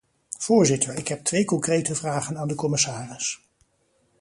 Voorzitter, ik heb twee concrete vragen aan de commissaris.